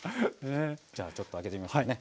じゃあちょっと開けてみましょうね。